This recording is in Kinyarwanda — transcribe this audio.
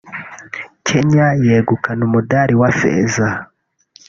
Kenya yegukana umudali wa feza